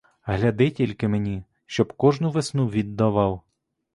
Гляди тільки мені, щоб кожну весну віддавав.